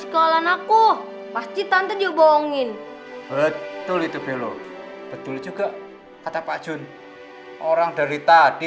soalan aku pasti tante juga bohongin betul itu belur betul juga kata pak jun orang dari tadi